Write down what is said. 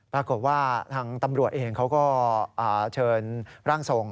ปรากฏว่าทางตำรวจเองเขาก็เชิญร่างทรง